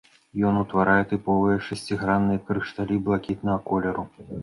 Ён утварае тыповыя шасцігранныя крышталі блакітнага колеру.